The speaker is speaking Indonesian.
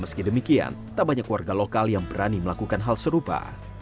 meski demikian tak banyak warga lokal yang berani melakukan hal serupa